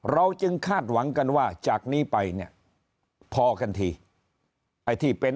เราจึงคาดหวังกันว่าจากนี้ไปเนี่ยพอกันทีไอ้ที่เป็น